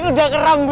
udah kerem mba